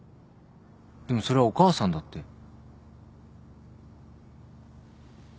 でもそれはお母さんだって。